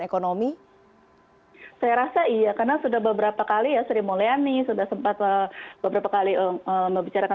ekonomi saya rasa iya karena sudah beberapa kali ya sri mulyani sudah sempat beberapa kali membicarakan